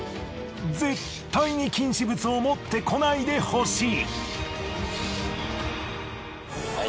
絶対に禁止物を持ってこないでほしい。